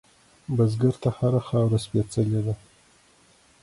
بزګر ته هره خاوره سپېڅلې ده